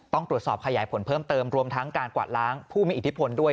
ต้องตรวจสอบขยายผลเพิ่มเติมรวมทั้งการกวาดล้างผู้มีอิทธิพลด้วย